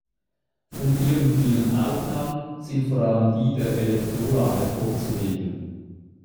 Von ihren vielen Aufnahmen sind vor allem die der Electrola hervorzuheben.